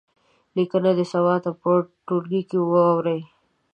لیکنه دې سبا ته په ټولګي کې واوروي.